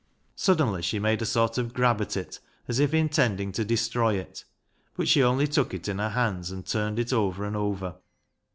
Suddenly she made a sort of grab at it as if intending to destroy it, but she only took it in her hands and turned it over and over.